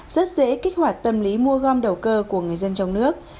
rất dễ kích hoạt tâm lý mua gom đầu cơ của người dân trong nước